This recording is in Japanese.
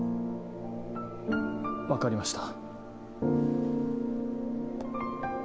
分かりました。